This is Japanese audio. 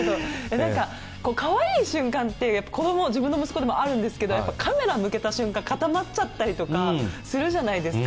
なんか、かわいい瞬間って自分の息子でもあるんですけどカメラを向けた瞬間、固まっちゃったりするじゃないですか。